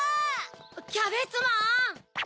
キャベツマン！